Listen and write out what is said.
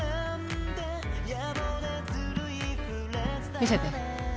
見せて。